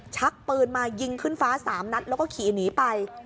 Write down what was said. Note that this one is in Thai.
ชักปืนมายิงขึ้นฟ้า๓นัดแล้วก็ขี่หนีไป